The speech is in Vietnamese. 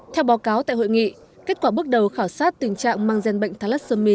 theo báo cáo tại hội nghị kết quả bước đầu khảo sát tình trạng mang gian bệnh thalassomy